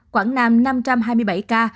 quảng nam năm trăm hai mươi bảy ca